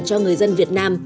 cho người dân việt nam